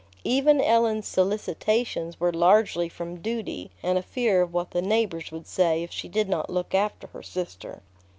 Even Ellen's solicitations were largely from duty and a fear of what the neighbors would say if she did not look after her sister.